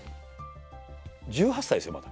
１８歳ですよまだ。